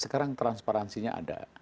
sekarang transparansinya ada